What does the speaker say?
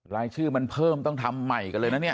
รายชื่อมันเพิ่มต้องทำใหม่กันเลยนะเนี่ย